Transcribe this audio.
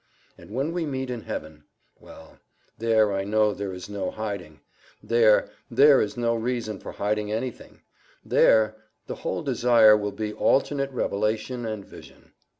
And when we meet in heaven—well, there I know there is no hiding; there, there is no reason for hiding anything; there, the whole desire will be alternate revelation and vision.